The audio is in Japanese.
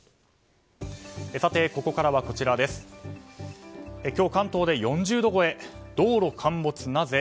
さて、ここからは今日、関東で４０度超え道路陥没なぜ？